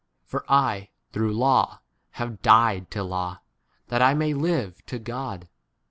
For /, through hi w, have died to law, that I may b live to ) God.